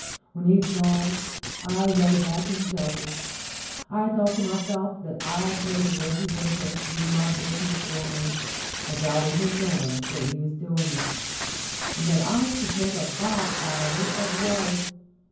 When he'd gone I lay back and chuckled. I thought to myself that I'd made Reggie Winter do my business for me, without even knowing that he was doing it, 172 STORIES WITHOUT TEARS and that I should make a bob out of it as well.